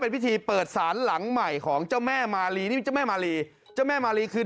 พิธีเปิดสารหลังใหม่ของเจ้าแม่มาลีนี่เจ้าแม่มาลีเจ้าแม่มาลีคือ